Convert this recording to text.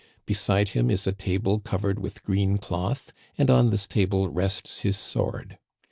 Beside him is a table covered with green cloth, and on this table rests his sword.